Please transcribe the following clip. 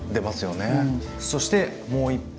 そしてもう１品。